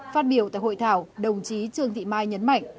phát biểu tại hội thảo đồng chí trương thị mai nhấn mạnh